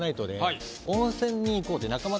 「温泉に行こう」って。